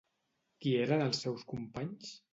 Qui eren els seus companys?